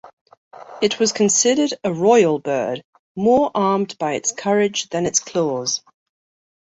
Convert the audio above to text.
It was considered "a royal bird, more armed by its courage than its claws".